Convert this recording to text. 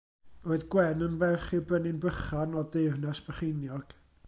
Roedd Gwen yn ferch i'r Brenin Brychan, o Deyrnas Brycheiniog.